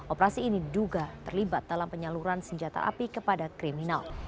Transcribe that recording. operasi ini diduga terlibat dalam penyaluran senjata api kepada kriminal